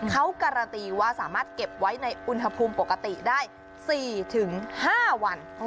เขาการันตีว่าสามารถเก็บไว้ในอุณหภูมิปกติได้๔๕วัน